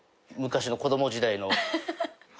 昔の子供時代の。